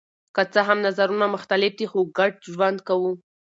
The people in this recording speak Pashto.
که څه هم نظرونه مختلف دي خو ګډ ژوند کوو.